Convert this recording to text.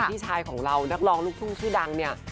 พี่ชายของเรานักร้องลูกทุ่งชื่อดังเนี่ย